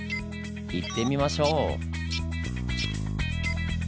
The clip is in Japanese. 行ってみましょう！